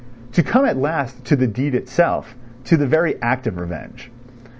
To come at last to the deed itself, to the very act of revenge.